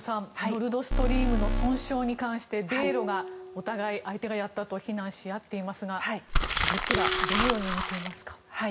ノルドストリームの損傷に関して米ロがお互い、相手がやったと非難し合っていますがどのように見ていますか？